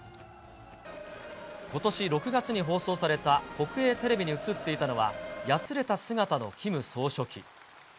ことし６月に放送された国営テレビに映っていたのは、やつれた姿のキム総書記。